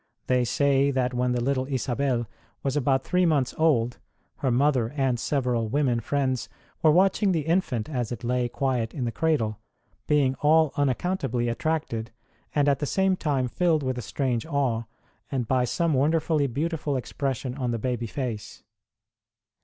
They say that when the little Isabel was about three months old her mother and several women friends were watching the infant as it lay quiet in the cradle, being all unaccountably attracted, and at the same time filled with a strange awe, by some wonderfully beautiful ex pression on the baby face.